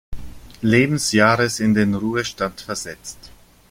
Lebensjahres in den Ruhestand versetzt.